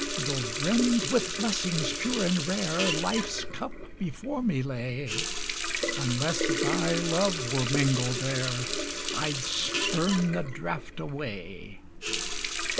Tho' brimmed with blessings, pure and rare, Life's cup before me lay, Unless thy love were mingled there, I'd spurn the draft away.